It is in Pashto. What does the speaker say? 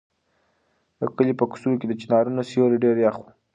د کلي په کوڅو کې د چنارونو سیوري ډېر یخ وو.